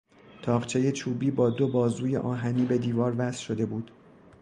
تاقچهی چوبی با دو بازوی آهنی به دیوار وصل شده بود.